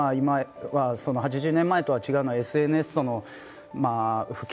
８０年前とは違うＳＮＳの普及